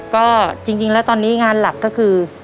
ก็จริงแล้วตอนนี้งานหลักก็คือ